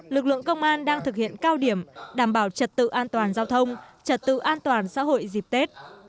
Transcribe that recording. lực lượng công an đang thực hiện cao điểm đảm bảo trật tự an toàn giao thông trật tự an toàn xã hội dịp tết